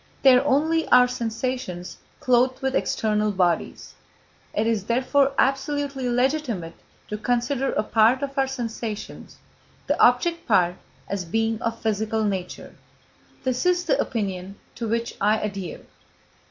They are only our sensations clothed with external bodies. It is therefore absolutely legitimate to consider a part of our sensations, the object part, as being of physical nature. This is the opinion to which I adhere.